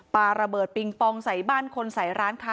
ปลาระเบิดปิงปองใส่บ้านคนใส่ร้านค้า